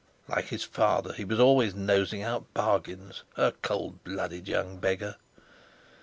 H'mph! Like his father, he was always nosing out bargains, a cold blooded young beggar!